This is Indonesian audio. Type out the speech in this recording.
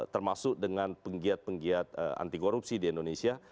termasuk dengan penggiat penggiat anti korupsi di indonesia